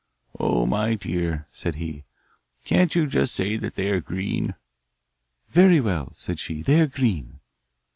'Oh, my dear,' said he, 'can't you just say that they are green?' 'Very well,' said she, 'they are green.